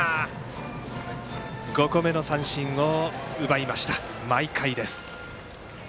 ５個目の三振を奪いました毎回です。